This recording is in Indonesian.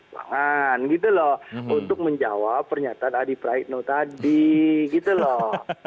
jangan gitu loh untuk menjawab pernyataan adi praitno tadi gitu loh